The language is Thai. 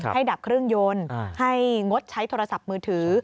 ดับเครื่องยนต์ให้งดใช้โทรศัพท์มือถือ